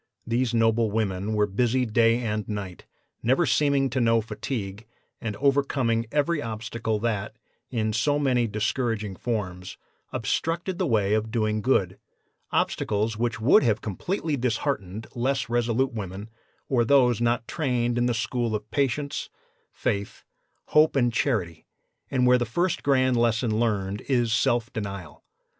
These noble women were busy day and night, never seeming to know fatigue, and overcoming every obstacle that, in so many discouraging forms, obstructed the way of doing good obstacles which would have completely disheartened less resolute women, or those not trained in the school of patience, faith, hope and charity, and where the first grand lesson learned is self denial.